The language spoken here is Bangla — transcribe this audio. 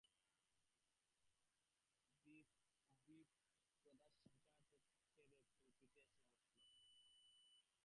বিপ্রদাস বিছানা ছেড়ে চৌকিতে উঠে বসল।